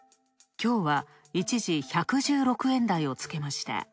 きょうは一時１１６円台をつけました。